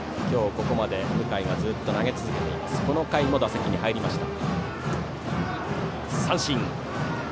ここまで向井がずっと投げ続けてこの回も打席に入りました。